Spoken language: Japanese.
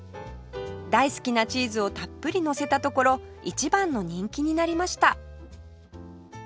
大好きなチーズをたっぷりのせたところ一番の人気になりました